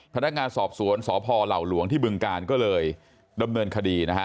พนักงานสอบสวนสพเหล่าหลวงที่บึงการก็เลยดำเนินคดีนะฮะ